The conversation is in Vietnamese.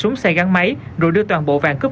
ngày hai mươi sáu tháng một mươi một